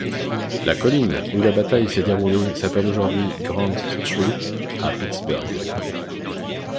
La colline où la bataille s'est déroulée s'appelle aujourd'hui Grant Street, à Pittsburgh.